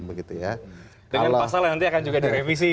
dengan pasal yang nanti akan juga direvisi